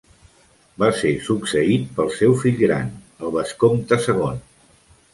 Va ser succeït pel seu fill gran, el vescomte segon.